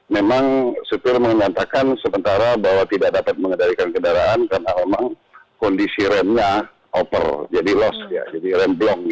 memang supir mengatakan sementara bahwa tidak dapat mengendarikan kendaraan karena memang kondisi remnya upper jadi loss ya jadi rem blon gitu ya